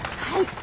はい！